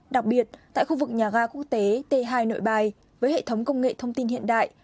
đặc biệt tại khu vực nhà ga quốc tế t hai nội bài với hệ thống công nghệ thông tin hiện đại